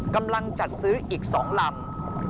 กำลังจัดซื้ออีก๒ลำ